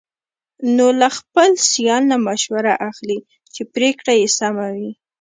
نو له خپل سیال نه مشوره اخلي، چې پرېکړه یې سمه وي.